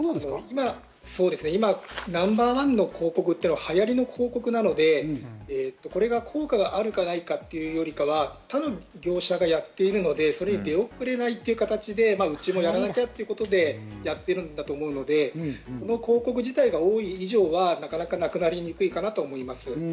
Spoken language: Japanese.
今、ナンバーワンの広告っていうのは流行りの広告なので、これが効果があるか、ないかということより、業者がやっているので、出遅れないという形で自分もやらなきゃということで、やってるんだと思うので、この広告自体が多い以上はなくなりにくいかなと思います。